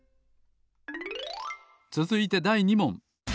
つづいてだい２もん。